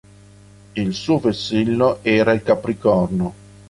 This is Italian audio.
Il suo vessillo era il capricorno.